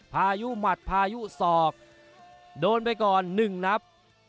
พายุหมัดพายุศอกโดนไปก่อน๑นับ